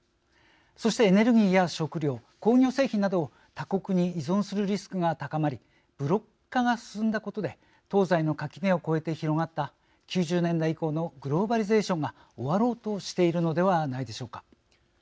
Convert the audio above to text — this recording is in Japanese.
そして、エネルギーや食料工業製品などを他国に依存するリスクが高まりブロック化が進んだことで東西の垣根を越えて広がった９０年代以降のグローバリゼーションが終わろうとしているのではないでしょうか。